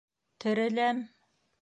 Тереләм!